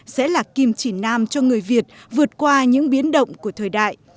sẽ là kim chỉ nam cho người việt vượt qua những biến động của thời đại